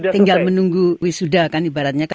tinggal menunggu wisuda kan ibaratnya